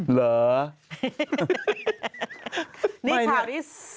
เหรอ